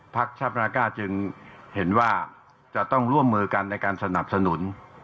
ชาปนาก้าจึงเห็นว่าจะต้องร่วมมือกันในการสนับสนุน